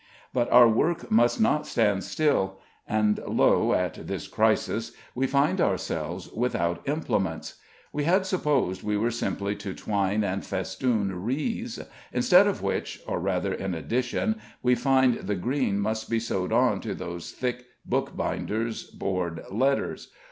But our work must not stand still; and lo! at this crisis, we find ourselves without implements. We had supposed we were simply to twine and festoon wreaths, instead of which, or rather, in addition, we find the green must be sewed on to those thick book binders' board letters.